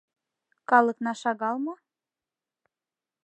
Калыкна шагал мо?